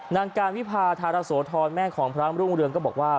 นางการวิพาธารโสธรแม่ของพระมรุ่งเรืองก็บอกว่า